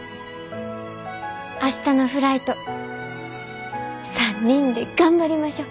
明日のフライト３人で頑張りましょ。